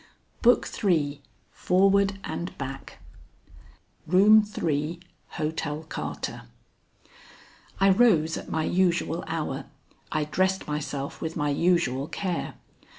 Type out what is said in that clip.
BOOK III FORWARD AND BACK XXIII ROOM 3, HOTEL CARTER I rose at my usual hour. I dressed myself with my usual care.